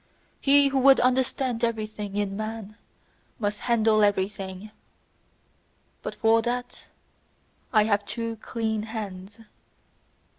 He who would understand everything in man must handle everything. But for that I have too clean hands.